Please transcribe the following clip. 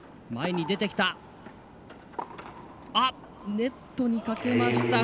ネットにかけました。